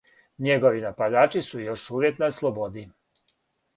Његови нападачи су још увијек на слободи.